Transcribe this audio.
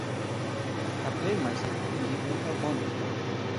Kapellmeister an die Oper Bonn.